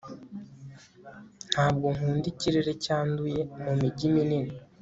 ntabwo nkunda ikirere cyanduye mumijyi minini